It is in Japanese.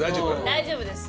大丈夫です